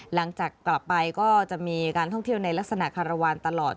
หลังจากกลับไปก็จะมีการท่องเที่ยวในลักษณะคารวาลตลอด